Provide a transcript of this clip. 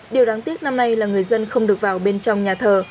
điều đáng tiếc năm nay là người dân không được vào bên trong nhà thờ